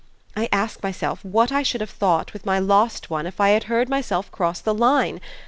I ask myself what I should have thought with my lost one if I had heard myself cross the line.